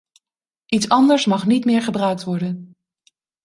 Iets anders mag niet meer gebruikt worden.